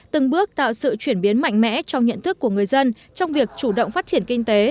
từng bước tạo sự chuyển biến mạnh mẽ trong nhận thức của người dân trong việc chủ động phát triển kinh tế